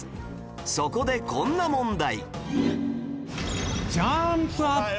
そこでこんな問題